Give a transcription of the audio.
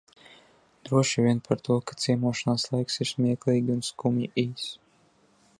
Droši vien par to, ka ciemošanās laiks ir smieklīgi un skumji īss.